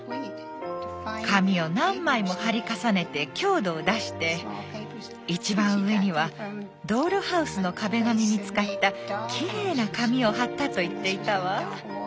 紙を何枚も貼り重ねて強度を出して一番上にはドールハウスの壁紙に使ったきれいな紙を貼ったと言っていたわ。